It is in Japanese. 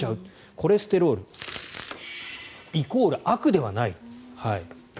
コレステロールイコール悪ではない。